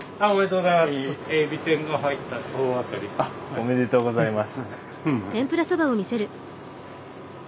おめでとうございます。